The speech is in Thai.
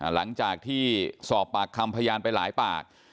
หลังจากที่สอบปากคำพยานไปหลายปาก